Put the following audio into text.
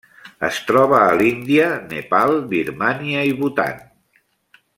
Es troba a l'Índia, Nepal, Birmània i Bhutan.